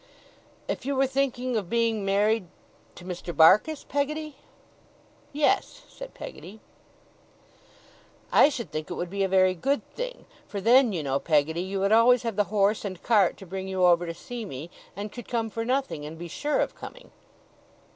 'If you were thinking of being married to Mr. Barkis, Peggotty?' 'Yes,' said Peggotty. 'I should think it would be a very good thing. For then you know, Peggotty, you would always have the horse and cart to bring you over to see me, and could come for nothing, and be sure of coming.